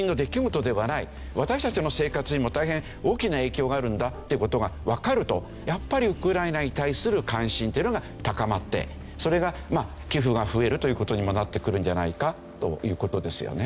私たちの生活にも大変大きな影響があるんだっていう事がわかるとやっぱりウクライナに対する関心というのが高まってそれが寄付が増えるという事にもなってくるんじゃないかという事ですよね。